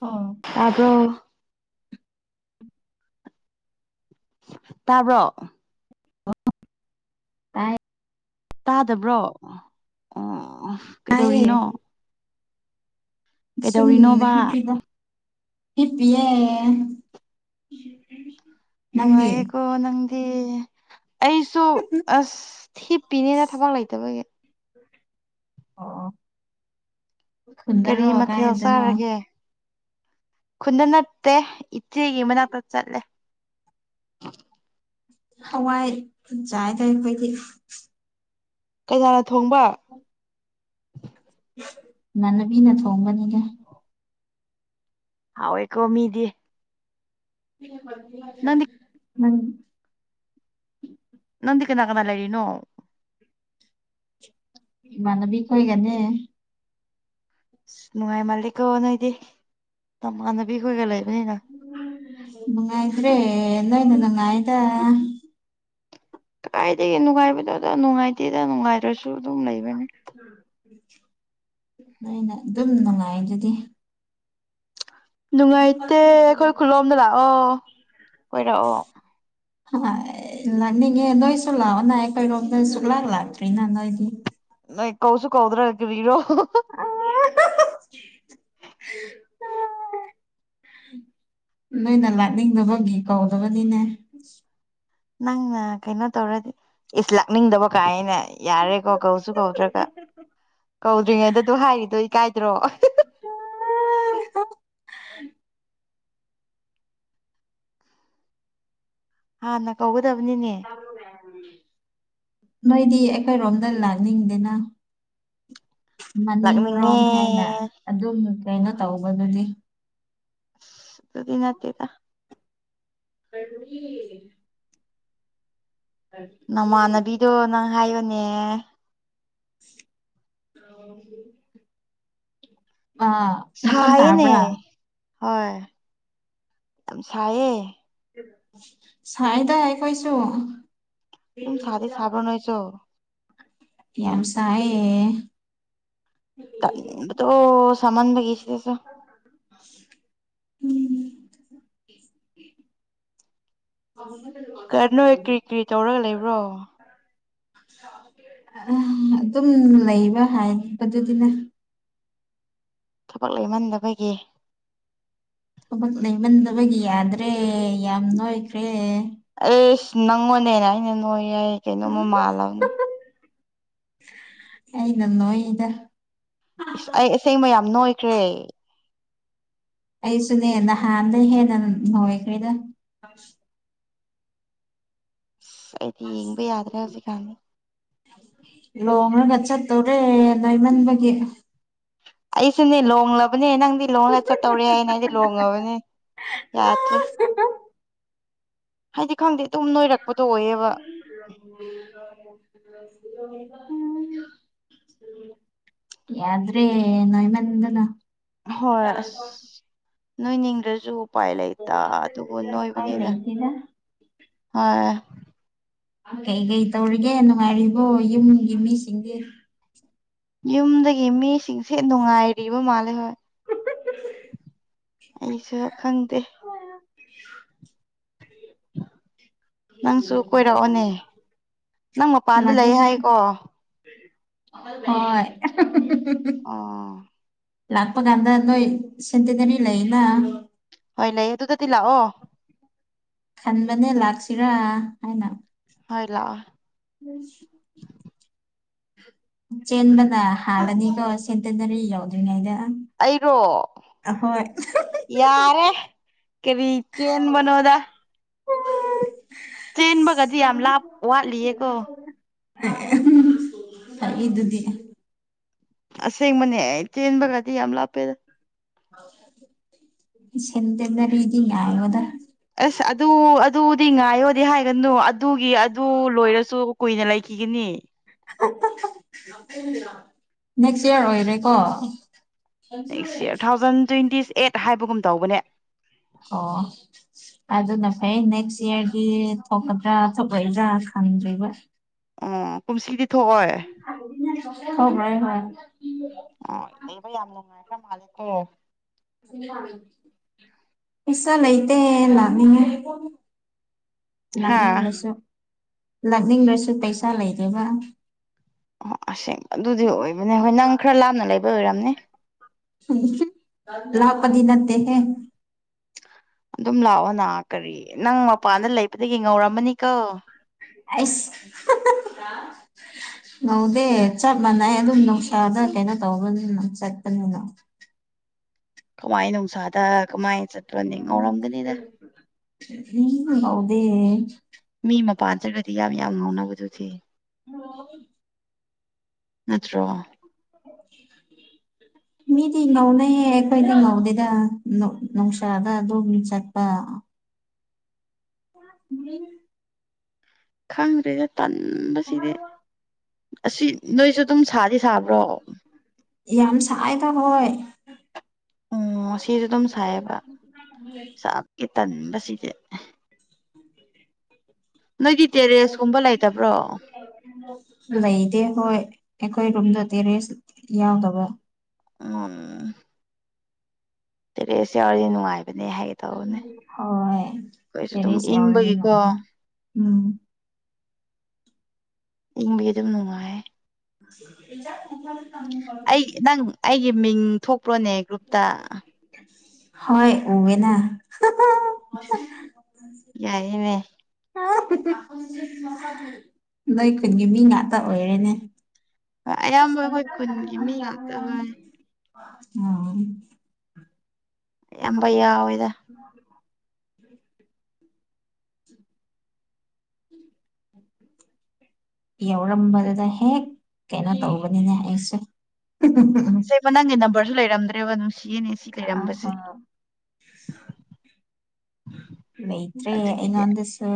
ꯑꯣ ꯇꯥꯕ꯭ꯔꯣ ꯇꯥꯕ꯭ꯔꯣ ꯂꯣ ꯇꯥꯏ ꯇꯥꯗꯕ꯭ꯔꯣ ꯑꯣ ꯇꯥꯏꯌꯦ ꯀꯩꯗꯧꯔꯤꯅꯣ ꯁꯨꯝ ꯅ ꯀꯩꯗꯧꯔꯤꯅꯣꯕ ꯍꯤꯞꯄꯤꯕ ꯍꯤꯞꯄꯤ ꯌꯦ ꯅꯨꯡꯉꯥꯏꯌꯦꯀꯣ ꯅꯪꯗꯤ ꯑꯩꯁꯨ ꯑꯁ ꯍꯤꯞꯄꯤꯅꯦꯅ ꯊꯕꯛ ꯂꯩꯇꯕꯒꯤ ꯑꯣ ꯀꯔꯤ ꯈꯨꯟꯗꯔꯣ ꯃꯊꯦꯜ ꯀꯥꯏꯗꯅꯣ ꯆꯥꯔꯒꯦ ꯈꯨꯟꯗ ꯅꯠꯇꯦ ꯏꯆꯦꯒꯤ ꯃꯅꯥꯛꯇ ꯆꯠꯂꯦ ꯆꯥꯏ ꯇꯥꯏ ꯈꯣꯏꯗꯤ ꯀꯅꯥꯅ ꯊꯣꯡꯕ ꯏꯃꯥꯟꯅꯕꯤꯅ ꯊꯣꯡꯕꯅꯤꯗ ꯍꯥꯎꯋꯦꯀꯣ ꯃꯤꯗꯤ ꯅꯪꯗꯤ [unintelligible] ꯅꯪꯗꯤ ꯀꯅꯥ ꯀꯅꯥ ꯂꯩꯔꯤꯅꯣ ꯏꯃꯥꯟꯅꯕꯤ ꯈꯣꯏꯒꯅꯦ ꯅꯨꯡꯉꯥꯏꯃꯜꯂꯤꯀꯣ ꯅꯣꯏꯗꯤ ꯅꯃꯥꯟꯅꯕꯤ ꯈꯣꯏꯒ ꯂꯩ ꯅꯨꯡꯉꯥꯏꯇ꯭ꯔꯦ ꯅꯣꯏꯅ ꯅꯨꯡꯉꯥꯏꯌꯦꯗ ꯀꯗꯥꯏꯗꯒꯤ ꯅꯨꯡꯉꯥꯏꯕꯗꯣꯗ ꯅꯨꯡꯉꯥꯏꯇꯦꯗ ꯅꯨꯡꯉꯥꯏꯗ꯭ꯔꯁꯨ ꯑꯗꯨꯝ ꯂꯩꯕꯅꯦ ꯑꯩꯅ ꯑꯗꯨꯝ ꯅꯨꯡꯉꯥꯏꯗꯨꯗꯤ ꯅꯨꯡꯉꯥꯏꯇꯦ ꯑꯩꯈꯣꯏ ꯈꯨꯜꯂꯣꯝꯗ ꯂꯥꯛꯑꯣ ꯀꯣꯏꯔꯛꯑꯣ ꯍꯥꯢ ꯂꯥꯛꯅꯤꯡꯉꯦ ꯅꯣꯏꯁꯨꯨ ꯂꯥꯛꯑꯣꯅ ꯑꯩꯈꯣꯢꯔꯣꯝꯗ ꯁꯨꯡꯂꯥꯛ ꯂꯥꯛꯇ꯭ꯔꯤ ꯅ ꯅꯣꯏꯗꯤ ꯅꯣꯢ ꯀꯧꯁꯨ ꯀꯧꯗ꯭ꯔꯒ ꯀꯔꯤꯔꯣ ꯑꯥ [unintelligible] ꯅꯣꯏꯅ ꯂꯥꯥꯛꯅꯤꯡꯗꯕꯒꯤ ꯀꯧꯗꯕꯅꯤꯅꯦ ꯅꯪꯅ ꯀꯩꯅꯣ ꯇꯧꯔꯗꯤ ꯏꯁ ꯂꯥꯛꯅꯤꯡꯗꯕ ꯀꯥꯏꯅ ꯌꯥꯔꯦꯀꯣ ꯀꯧꯁꯨ ꯀꯧꯗ꯭ꯔꯒ ꯀꯧꯗ꯭ꯔꯤꯉꯩꯗ ꯗꯨ ꯍꯥꯏꯔꯤꯗꯣ ꯏꯀꯥꯏꯗ꯭ꯔꯣ [unintelligible] [unintelligible] ꯍꯥꯟꯅ ꯀꯧꯒꯗꯝꯅꯤꯅꯦ ꯅꯣꯏꯗꯤ ꯑꯩꯈꯣꯏꯔꯣꯝꯗ ꯂꯥꯛꯅꯤꯡꯗꯦꯅ ꯃꯅꯤꯡ ꯂꯥꯛꯅꯤꯡꯉꯦ ꯔꯣꯝ ꯍꯥꯏꯅ ꯑꯗꯨꯝ ꯀꯩꯅꯣ ꯇꯧꯕꯗꯨꯗꯤ ꯑꯗꯨꯗꯤ ꯅꯠꯇꯦꯗ [unintelligible] ꯅꯃꯥꯟꯅꯕꯤꯗꯣ ꯅꯪ ꯍꯥꯏꯌꯣꯅꯦ ꯑꯥ ꯃꯈꯣꯟ ꯁꯥꯏꯌꯦꯅꯦ ꯇꯥꯕ꯭ꯔꯥ ꯍꯣꯏ ꯌꯥꯝ ꯁꯥꯏꯌꯦ ꯁꯥꯏꯌꯦꯗ ꯑꯩꯈꯣꯏꯁꯨ ꯑꯗꯨꯝ ꯁꯥꯗꯤ ꯁꯥꯕ꯭ꯔꯣ ꯅꯣꯢꯁꯨ ꯌꯥꯝ ꯁꯥꯢꯌꯦ ꯇꯟꯕꯗꯣ ꯁꯥꯃꯟꯕꯒꯤ ꯁꯤꯗꯁꯨ [inaudible] [inaudible] ꯀ ꯅꯣꯏ ꯀ꯭ꯔꯤ ꯀ꯭ꯔꯤ ꯇꯧꯔꯒ ꯂꯩꯕ꯭ꯔꯣ ꯎꯝ ꯑꯗꯨꯝ ꯂꯩꯕ ꯍꯥꯏꯕꯗꯨꯗꯤꯅ ꯊꯕꯛ ꯂꯩꯃꯟꯗꯕꯒꯤ ꯊꯕꯛ ꯂꯩꯃꯟꯗꯕꯒꯤ ꯌꯥꯗ꯭ꯔꯦ ꯌꯥꯝ ꯅꯣꯏꯈ꯭ꯔꯦ ꯑꯦ ꯅꯪꯉꯣꯟꯗꯩ ꯍꯦꯟꯅ ꯑꯩꯅ ꯅꯣꯏ ꯌꯦ ꯀꯩꯅꯣꯃ ꯃꯥꯜꯂꯕꯅꯦ ꯑꯩꯅ ꯅꯣꯏꯗ ꯏꯁ ꯑꯩ ꯑꯁꯦꯡꯕ ꯌꯥꯝ ꯅꯣꯏꯈ꯭ꯔꯦ ꯑꯩꯁꯨꯅꯦ ꯅꯍꯥꯟꯗꯩ ꯍꯦꯟꯅ ꯅꯣꯏꯈ꯭ꯔꯦꯗ ꯑꯩꯗꯤ ꯌꯦꯡꯕ ꯌꯥꯗ꯭ꯔꯦ ꯍꯧꯖꯤꯛꯀꯥꯟꯖꯦ ꯂꯣꯡꯔꯒ ꯆꯠꯇꯣꯔꯦ ꯅꯣꯢꯃꯟꯕꯒꯤ ꯑꯩꯁꯨꯅꯦ ꯂꯣꯡꯂꯕꯅꯦ ꯅꯪꯗꯤ ꯂꯣꯡꯉ ꯆꯠꯇꯧꯔꯦ ꯍꯥꯏꯅ ꯑꯩꯗꯤ ꯂꯣꯡꯂꯕꯅꯦ ꯌꯥꯗ꯭ꯔꯤ [inaudible] ꯑꯗꯨꯝ ꯅꯣꯏꯔꯛꯄꯗꯣ ꯑꯣꯏꯌꯦꯕ [unintelligible] ꯌꯥꯗ꯭ꯔꯦ ꯅꯣꯏꯃꯟꯗꯅ ꯍꯣꯏ ꯑꯁ ꯅꯣꯏꯅꯤꯡꯗ꯭ꯔꯁꯨ ꯎꯄꯥꯏ ꯂꯩꯇ ꯑꯗꯨꯕꯨ ꯎꯄꯥꯏ ꯅꯣꯏꯕꯅꯤꯅ ꯂꯩꯇꯦꯗ ꯑ ꯀꯩꯀꯩ ꯇꯧꯔꯤꯒꯦ ꯅꯨꯡꯉꯥꯏꯔꯤꯕꯣ ꯌꯨꯝꯒꯤ ꯃꯤꯁꯤꯡꯗꯤ ꯌꯨꯝꯗꯒꯤ ꯃꯤꯁꯤꯡꯁꯦ ꯅꯨꯡꯉꯥꯏꯔꯤꯕ ꯃꯥꯜꯂꯦ ꯍꯣꯏ ꯑꯩꯁꯨ ꯈꯪꯗꯦ ꯅꯪꯁꯨ ꯀꯣꯏꯔꯛꯑꯣꯅꯦ [unintelligible] ꯅꯪ ꯃꯄꯥꯟꯗ ꯂꯩ ꯍꯥꯏꯌꯦꯀꯣ ꯍꯣꯢ [unintelligible] ꯑꯣ ꯂꯥꯛꯄ ꯀꯥꯟꯗ ꯅꯣꯏ ꯁꯦꯟꯇꯦꯅꯔꯤ ꯂꯩꯅ ꯍꯣꯏ ꯂꯩꯌꯦ ꯑꯗꯨꯗꯗꯤ ꯂꯥꯛꯑꯣ ꯈꯟꯕꯅꯦ ꯂꯥꯛꯁꯤꯔꯥ ꯍꯥꯏꯅ [inaudible] ꯍꯣꯏ ꯂꯥꯛꯑꯣ ꯆꯦꯟꯕꯅ ꯍꯥꯜꯂꯅꯤꯀꯣ ꯁꯦꯟꯇꯅꯔꯤ ꯌꯧꯗ꯭ꯔꯤꯉꯩꯗ ꯑꯩꯔꯣ ꯑꯍꯣꯏ ꯌꯥꯔꯦ ꯀꯦꯔꯤ ꯆꯦꯟꯕꯅꯣꯗ ꯆꯦꯟꯕꯒꯗꯤ ꯌꯥꯝ ꯂꯥꯞ ꯋꯥꯠꯂꯤꯌꯦ ꯀꯣ [unintelligible] ꯄꯛꯏꯗꯨꯗꯤ ꯑꯁꯦꯡꯕꯅꯦ ꯑꯦ ꯆꯦꯟꯕꯒꯗꯤ ꯌꯥꯝ ꯂꯥꯞꯄꯦꯗ ꯁꯦꯟꯇꯦꯅꯔꯤꯗꯤ ꯌꯥꯔꯣꯗ ꯑꯁ ꯑꯗꯨ ꯑꯗꯨꯗꯤ ꯉꯥꯏꯌꯣꯗꯤ ꯍꯥꯏꯒꯅꯨ ꯑꯗꯨꯒꯤ ꯑꯗꯨ ꯂꯣꯏꯔꯁꯨ ꯀꯨꯏꯅ ꯂꯩ ꯀꯤꯒꯅꯤ [unintelligible] ꯅꯦꯛꯁ ꯏꯌꯔ ꯑꯣꯏꯔꯦꯀꯣ next year two thousand ꯇ꯭ꯋꯦꯟꯇꯤꯁ eight ꯍꯥꯏꯕꯒꯨꯝ ꯇꯧꯕꯅꯦ ꯑꯣ ꯑꯗꯨꯅ ꯐꯩ ꯅꯦꯛꯁ ꯏꯌꯔꯒꯤ ꯊꯣꯛꯀꯗ꯭ꯔꯥ ꯊꯣꯛꯑꯣꯏꯗ꯭ꯔꯥ ꯈꯪꯗ꯭ꯔꯤꯕ ꯑꯣ ꯀꯨꯝꯁꯤꯗꯤ ꯊꯣꯛꯑꯣꯏ [unintelligible] ꯑꯣ ꯂꯩꯕ ꯌꯥꯝ ꯅꯨꯡꯉꯥꯏꯈ꯭ꯔ ꯃꯥꯂꯦꯀꯣ ꯄꯩꯁꯥ ꯂꯩꯇꯦ ꯂꯥꯡꯅꯤꯡꯉꯦ ꯍꯥ ꯂꯥꯛꯅꯤꯡꯉꯁꯨ ꯂꯥꯛꯅꯤꯡꯉꯁꯨ ꯄꯩꯁꯥ ꯂꯩꯇꯕ ꯑꯣ ꯑꯁꯦꯡꯕ ꯑꯗꯨꯗꯤ ꯑꯣꯏꯕꯅꯦ ꯍꯣꯏ ꯅꯪ ꯈꯔ ꯂꯥꯞꯅ ꯂꯩꯕ ꯑꯣꯏꯔꯝꯅꯤ ꯂꯥꯞꯄꯗꯤ ꯅꯠꯇꯦꯍꯦ ꯑꯗꯨꯝ ꯂꯥꯛꯑꯣ ꯅ ꯀꯔꯤ ꯅꯪ ꯃꯄꯥꯟꯗ ꯂꯩꯕꯗꯒꯤ ꯉꯧꯔꯝꯃꯅꯤꯀꯣ ꯑꯩꯁ ꯉꯧꯗꯦ ꯆꯞ ꯃꯥꯟꯅꯩ ꯑꯗꯨꯝ ꯅꯨꯡꯁꯥꯗ ꯀꯩꯅꯣ ꯇꯧꯕꯅꯤꯅ ꯆꯠꯄꯅꯤꯅ ꯀꯃꯥꯏ ꯅꯨꯡꯁꯥꯗ ꯀꯃꯥꯏꯅ ꯆꯠ ꯉꯧꯗꯦ ꯃꯤ ꯃꯄꯥꯟ ꯆꯠꯗ꯭ꯔꯒꯗꯤ ꯌꯥꯝ ꯌꯥꯝ ꯉꯧꯎꯅꯕꯗꯨꯗꯤ [unintelligible] ꯅꯠꯇ꯭ꯔꯣ [unintelligible] ꯃꯤꯗꯤ ꯉꯧꯅꯩꯍꯌꯦ ꯑꯩꯈꯣꯏꯅ ꯉꯧꯗꯦꯗ ꯅꯨꯡꯁꯥꯒ ꯑꯗꯨꯝ ꯆꯠꯄ [unintelligible] ꯈꯪꯗ꯭ꯔꯦꯗ ꯇꯟꯕꯁꯤꯗꯤ ꯑꯁꯤ ꯅꯣꯏꯁꯨ ꯑꯗꯨꯝ ꯁꯥꯗꯤ ꯁꯥꯕ꯭ꯔꯣ ꯌꯥꯝ ꯁꯥꯏꯗ ꯍꯣꯏ ꯎꯝ ꯉꯥꯁꯤꯁꯨ ꯑꯗꯨꯝ ꯁꯥꯏꯌꯦꯕ ꯁꯥꯕꯒꯤ ꯇꯟꯕ ꯁꯤ ꯇꯦꯔꯦꯁꯀꯨꯝꯕ ꯂꯩꯇꯕ꯭ꯔꯣ ꯂꯩꯗꯦ ꯍꯣꯏ ꯑꯩꯈꯣꯏ ꯔꯨꯝꯗꯣ ꯇꯦꯔꯦꯁ ꯌꯥꯎꯗꯕ ꯎꯝ ꯇꯦꯔꯦꯁ ꯌꯥꯎꯔꯗꯤ ꯅꯨꯡꯉꯥꯏ ꯍꯣꯏ ꯑꯩꯈꯣꯏꯁꯨ ꯑꯗꯨꯝ ꯇꯦꯔꯦꯁ ꯌꯥꯎꯔꯗꯤ ꯏꯪꯕꯒꯤꯀꯣ ꯅꯨꯡ ꯎꯝ ꯏꯪꯕꯤ ꯑꯗꯨꯝ ꯅꯨꯡꯉꯥꯏ [unintelligible] ꯑꯩ ꯅꯪ ꯑꯩꯒꯤ ꯃꯤꯡ ꯊꯣꯛꯄ꯭ꯔꯣꯅꯦ ꯒ꯭ꯔꯨꯞꯇ ꯍꯣꯏ ꯎꯋꯦꯅ ꯌꯥꯏꯅꯦ ꯅꯣꯏ ꯈꯨꯟꯒꯤ ꯃꯤ ꯉꯥꯛꯇ ꯑꯣꯏꯔꯦꯅꯦ ꯍꯣꯏ ꯑꯌꯥꯝꯕ ꯑꯩꯈꯣꯏ ꯈꯨꯟꯒꯤ ꯃꯤ ꯉꯥꯛꯇ ꯍꯣꯏ ꯑꯝ ꯑꯌꯥꯝꯕ ꯌꯥꯎꯋꯦ [unintelligible] [inaudible] ꯌꯥꯎꯔꯝꯕꯗ ꯍꯦꯛ ꯀꯩꯅꯣ ꯇꯧꯕꯅꯤꯅꯦ ꯑꯩꯁꯦ ꯆꯦꯒ ꯅꯪꯒꯤ ꯅꯝꯕꯔꯖꯨ ꯂꯩꯔꯝꯗ꯭ꯔꯦꯕ ꯅ ꯑꯥ ꯍꯥ ꯂꯩꯇ꯭ꯔꯦ ꯑꯗꯨꯒꯤꯗꯤ ꯑꯩꯉꯣꯟꯗꯁꯨ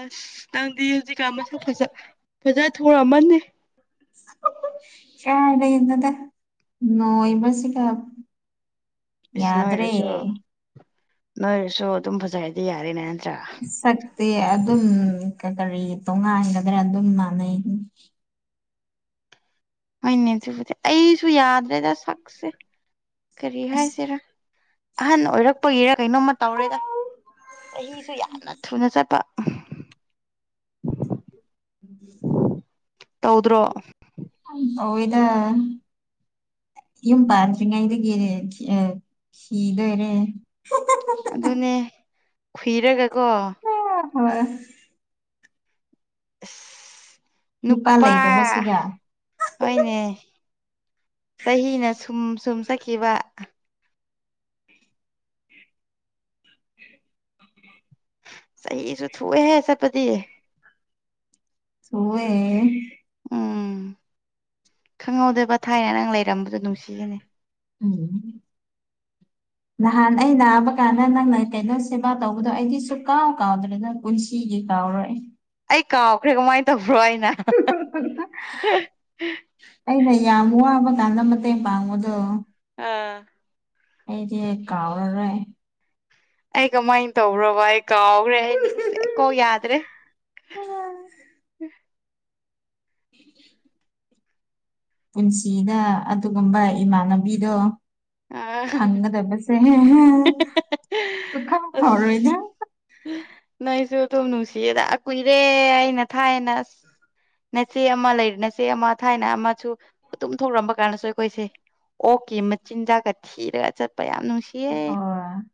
ꯑꯁ ꯅꯪꯗꯤ ꯍꯧꯖꯤꯛꯀꯥꯟ ꯃꯁꯛ ꯐꯖ ꯐꯖ ꯊꯣꯔꯛꯑꯃꯅꯤ ꯀꯥꯏꯗꯩꯅꯣꯗꯥ ꯅꯣꯏꯕꯁꯤꯒꯥ ꯑꯁ ꯌꯥꯗ꯭ꯔꯦ ꯅꯣꯏꯔꯁꯨ ꯅꯣꯏꯔꯁꯨ ꯑꯗꯨꯝ ꯐꯖꯔꯗꯤ ꯌꯥꯔꯦꯅꯦ ꯁꯛꯇꯤ ꯑꯗꯨꯝ ꯀꯔꯤ ꯇꯣꯉꯥꯟꯒꯗ꯭ꯔꯥ ꯑꯗꯨꯝ ꯃꯥꯟꯅꯩ ꯍꯣꯏꯅꯦ ꯑꯗꯨꯕꯨꯗꯤ ꯑꯩꯁꯨ ꯌꯥꯗ꯭ꯔꯦꯗ ꯁꯛꯁꯦ ꯀꯔꯤ ꯑꯁ ꯍꯥꯏꯁꯤꯔ ꯑꯍꯟ ꯑꯣꯏꯔꯛꯄꯒꯤꯔꯥ ꯀꯩꯅꯣꯝꯃ ꯇꯧꯔꯦꯗꯥ ꯆꯍꯤꯁꯨ ꯌꯥꯝꯅ ꯊꯨꯅ ꯆꯠꯄ [unintelligible] ꯇꯧꯗ꯭ꯔꯣ ꯑꯩ ꯍꯣꯏꯗꯥ ꯌꯨꯝ ꯄꯥꯟꯗ꯭ꯔꯤꯉꯩꯗꯒꯤ ꯊꯤ ꯑꯥ ꯊꯤꯗꯣꯏꯔꯦ ꯑꯗꯨꯅꯦ ꯈꯨꯏꯔꯒ ꯀꯣ ꯍꯣꯏ ꯅꯨꯄꯥ ꯍꯣꯏꯅꯦ ꯆꯍꯤꯅ ꯁꯨꯝ ꯁꯨꯝ ꯆꯠꯈꯤꯕ [inaudible] ꯆꯍꯤꯁꯨ ꯊꯨꯑꯦꯍꯦ ꯆꯠꯄꯗꯤ ꯊꯨꯋꯦ ꯎꯝ ꯈꯪꯍꯧꯗꯦꯕ ꯊꯥꯏꯅ ꯅꯪ ꯂꯩꯔꯝꯕꯗꯣ ꯅꯨꯡꯁꯤꯌꯦꯅꯦ ꯎꯝ ꯅꯍꯥꯟ ꯑꯩ ꯅꯥꯕ ꯀꯥꯟꯗ ꯅꯪꯅ ꯀꯩꯅꯣ ꯁꯦꯕꯥ ꯇꯧꯕꯗꯣ ꯑꯩꯗꯤ ꯁꯨꯀꯥꯎ ꯀꯥꯎꯗ꯭ꯔꯤ ꯅꯪ ꯄꯨꯟꯁꯤꯒꯤ ꯒꯤ ꯀꯥꯎꯔꯣꯏ ꯑꯩ ꯀꯥꯎꯈ꯭ꯔꯦ ꯀꯃꯥꯏ ꯇꯧ [unintelligible] ꯑꯩꯅ ꯌꯥꯝ ꯋꯥꯕ ꯀꯥꯟꯗ ꯃꯇꯦꯡ ꯄꯥꯡꯕꯗꯨ ꯑꯥ ꯑꯩꯗꯤ ꯀꯥꯎꯔꯔꯣꯏ ꯑꯩ ꯀꯃꯥꯏꯅ ꯇꯧꯕ꯭ꯔꯣꯕ ꯑꯩ ꯀꯥꯎꯒ꯭ꯔꯦ ꯑꯩ ꯅꯤꯡꯁꯦ ꯀꯣꯛ ꯌꯥꯗ꯭ꯔꯦ [inaudible] [inaudible] ꯄꯨꯟꯁꯤꯗꯥ ꯑꯗꯨꯒꯨꯝꯕ ꯏꯃꯥꯟꯅꯕꯤꯗꯣ ꯑ ꯐꯪꯒꯗꯕꯁꯦ ꯍꯦ ꯍꯦ ꯁꯨꯐꯪ ꯑꯁ ꯐꯔꯣꯏꯗ ꯅꯣꯏꯁꯨ ꯑꯗꯨꯝ ꯅꯨꯡꯁꯤꯌꯦꯗꯥ ꯑꯥ ꯀꯨꯏꯔꯦ ꯑꯩꯅ ꯊꯥꯏꯅ ꯑꯁ ꯅꯆꯦ ꯑꯃ ꯂꯩꯔꯤ ꯅꯆꯦ ꯑꯃ ꯊꯥꯏꯅ ꯑꯃꯁꯨ ꯑꯗꯨꯨꯝ ꯊꯣꯛꯔꯝꯕ ꯀꯥꯟꯗꯁꯨ ꯑꯩꯈꯣꯏꯁꯦ ꯑꯣꯛꯀꯤ ꯃꯆꯤꯟꯖꯥꯛꯀ ꯊꯤꯔꯒ ꯆꯠ ꯍꯣꯏ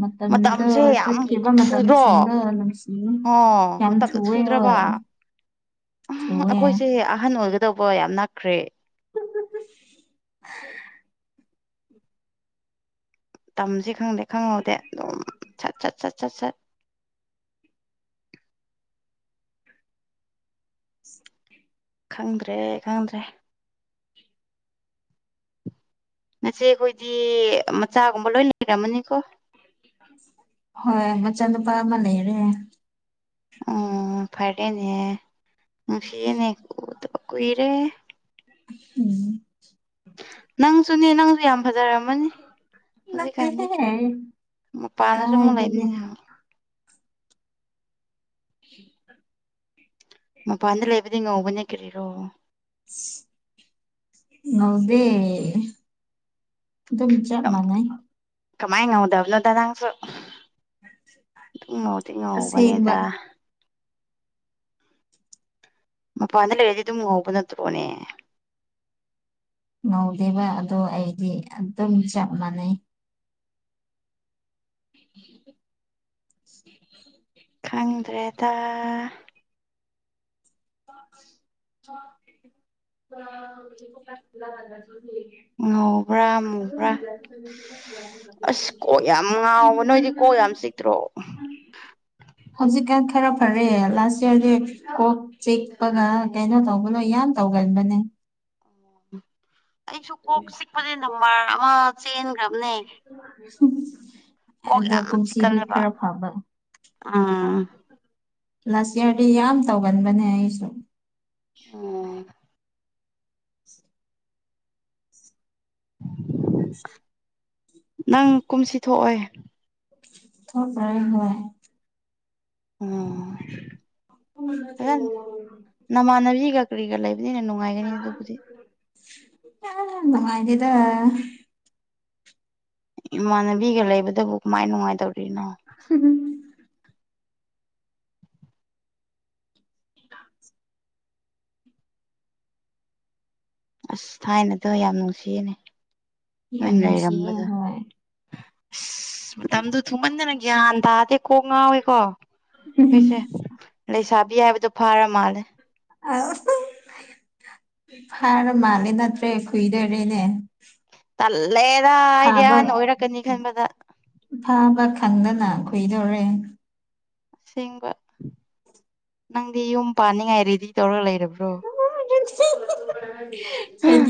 ꯃꯇꯝꯗꯣ ꯃꯇꯥꯝꯁꯦ ꯌꯥꯝ ꯆꯠꯈꯤꯕ ꯊꯨꯗ꯭ꯔꯣ ꯃꯇꯝꯁꯤꯡꯗꯣ ꯅꯨꯡꯁꯤꯌꯦ ꯑꯣ ꯌꯥꯝ ꯃꯇꯝꯗꯣ ꯊꯨꯋꯦ ꯊꯨꯗ꯭ꯔꯕꯥ ꯍꯣꯏ ꯑꯥ ꯊꯨꯋꯦ ꯑꯈꯣꯏꯁꯦ ꯑꯍꯟ ꯑꯣꯏꯒꯗꯧꯕ ꯌꯥꯝ ꯅꯥꯛꯈ꯭ꯔꯦ ꯇꯝꯁꯤ ꯈꯪꯗꯤ ꯈꯪꯍꯧꯗꯦ ꯑꯗꯨꯝ ꯁꯠ ꯁꯠ ꯁꯠ ꯁꯠ ꯁꯠ ꯈꯪꯗ꯭ꯔꯦ ꯈꯪꯗ꯭ꯔꯦ ꯅꯆꯦ ꯈꯣꯏꯗꯤ ꯃꯆꯥꯒꯨꯝꯕ ꯂꯣꯏ ꯂꯩꯔꯝꯃꯅꯤꯀꯣ ꯍꯣꯏ ꯃꯆꯥꯅꯨꯄꯥ ꯑꯃ ꯂꯩꯔꯦ ꯑꯣ ꯐꯔꯦꯅꯦ ꯅꯨꯡꯁꯤꯌꯦꯅꯦ ꯎꯗꯕ ꯀꯨꯏꯔꯦ ꯎꯝ ꯅꯪꯁꯨꯅꯦ ꯅꯪꯁꯨ ꯌꯥꯝ ꯐꯖꯔꯝꯃꯅꯤ ꯍꯧꯖꯤꯛꯀꯥꯟꯗꯤ ꯅꯠꯇꯦꯍꯦ ꯃꯄꯥꯥꯟꯗꯁꯨ ꯑꯃꯨꯛ ꯀꯥꯏꯗꯒꯤ ꯂꯩꯕꯅꯤꯅ ꯍꯥ [inaudible] ꯃꯄꯥꯟꯗ ꯂꯩꯕꯗꯤꯉꯧꯕꯅꯦ ꯀꯔꯤꯔꯣ ꯉꯧꯗꯦ ꯑꯗꯨꯝ ꯆꯥꯞ ꯃꯥꯟꯅꯩ ꯀꯃꯥꯏꯅ ꯉꯧꯗꯕꯅꯣꯗ ꯅꯪꯁꯨ ꯑꯗꯨꯝ ꯉꯧꯗꯤ ꯑꯁꯦꯡꯕ ꯉꯧꯕꯅꯦꯗ ꯃꯄꯥꯟꯗ ꯂꯩꯔꯗꯤ ꯑꯗꯨꯝ ꯉꯧꯕ ꯅꯠꯇ꯭ꯔꯣꯅꯦ ꯉꯧꯗꯦꯕ ꯑꯗꯣ ꯑꯩꯗꯤ ꯑꯗꯨꯝ ꯆꯞ ꯃꯥꯟꯅꯩ [unintelligible] ꯈꯪꯗ꯭ꯔꯦꯗ [unintelligible] ꯉꯧꯕ꯭ꯔꯥ ꯃꯨꯕ꯭ꯔꯥ [unintelligible] ꯍꯨꯖꯤꯇ꯭ꯔꯣ ꯍꯧꯖꯤꯛꯀꯥꯟ ꯈꯔ ꯐꯔꯦ ꯂꯥꯁ ꯏꯌꯥꯔꯅꯦ ꯀꯣꯛ ꯆꯤꯛꯄꯒ ꯀꯩꯅꯣ ꯇꯧꯕꯅ ꯌꯥꯝ ꯇꯧꯒꯟꯕꯅꯦ ꯑꯩꯁꯨ ꯀꯣꯛ ꯆꯤꯛꯄꯁꯦ ꯅꯝꯕꯔ ꯑꯃ ꯆꯦꯟꯈ꯭ꯔꯕꯅꯦ ꯀꯣꯛ ꯑꯗꯣ ꯌꯥꯝ ꯀꯨꯝꯁꯤꯗꯤ ꯆꯤꯛꯀꯜꯂꯦꯕ ꯈꯔ ꯐꯕ ꯎꯝ ꯂꯥꯁ ꯏꯌꯥꯔꯗꯤ ꯌꯥꯝ ꯇꯧꯒꯟꯕꯅꯦ ꯑꯩꯁꯨ [inaudible] ꯁꯤ [inaudible] [unintelligible] ꯅꯪ ꯀꯨꯝꯁꯤ ꯊꯣꯛꯑꯣꯏ ꯊꯣꯛꯂꯣꯏ ꯍꯣꯏ ꯑꯣ ꯑꯗꯨ ꯅꯃꯥꯟꯅꯕꯤꯒ ꯀꯔꯤꯒ ꯂꯩ ꯍꯦꯟꯅ ꯅꯨꯡꯉꯥꯏꯒꯅꯤ ꯑꯗꯨꯕꯨꯗꯤ ꯑ ꯅꯨꯡꯉꯥꯏꯗꯦꯗ ꯏꯃꯥꯟꯅꯕꯤꯒ ꯂꯩꯕꯗꯕꯨ ꯀꯃꯥꯏ ꯅꯨꯡꯉꯥꯏꯗꯧꯔꯤꯅꯣ [inaudible] ꯑꯁ ꯊꯥꯏꯅꯗꯣ ꯌꯥꯝ ꯅꯨꯡꯁꯤꯌꯦꯅꯦ ꯌꯥꯝ ꯑꯩ ꯅꯨꯡꯁꯤꯌꯦ ꯂꯩꯔꯝꯕꯗꯣ ꯍꯣꯏ ꯃꯇꯝꯗꯨ ꯊꯨꯃꯟꯗꯅ ꯒ꯭ꯌꯥꯟ ꯇꯥꯗꯦ ꯀꯣꯛ ꯉꯥꯎꯋꯦꯀꯣ ꯑꯩꯁꯦ ꯂꯩꯁꯥꯕꯤ ꯍꯥꯏꯕꯗꯣ ꯐꯥꯔ ꯃꯥꯜꯂꯦ ꯑ ꯐꯔ ꯃꯥꯜꯂꯦ ꯅꯠꯇ꯭ꯔꯦ ꯈꯨꯏꯗꯔꯦꯅꯦ ꯇꯜꯂꯦꯗ ꯑꯩꯗꯤ ꯑꯍꯟ ꯑꯣꯏꯔꯛꯀꯅꯤ ꯈꯟꯕꯗ ꯐꯥꯕ ꯈꯪꯗꯅ ꯈꯨꯏꯗꯧꯔꯦ ꯑꯁꯦꯡꯕ ꯅꯪꯗꯤ ꯌꯨꯝ ꯄꯥꯟꯅꯤꯡꯉꯥꯏ ꯔꯦꯗꯤ ꯇꯧꯔꯒ ꯂꯩꯔꯕ ꯀꯗꯥꯏꯗꯒꯤ [unintelligible] ꯍꯥ ꯐ꯭ꯔꯦꯟꯂꯤ